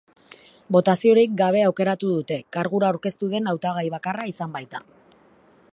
Botaziorik gabe aukeratu dute, kargura aurkeztu den hautagai bakarra izan baita.